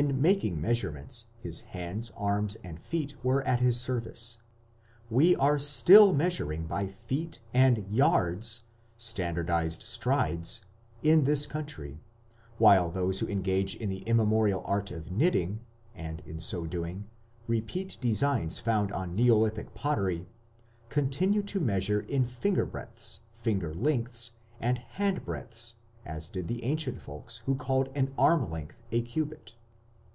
In making measurements his hands, arms, and feet were at his service. We are still measuring by feet and yards (standardized strides) in this country, while those who engage in the immemorial art of knitting, and, in doing so, repeat designs found on neolithic pottery, continue to measure in finger breadths, finger lengths, and hand breadths as did the ancient folks who called an arm length a cubit.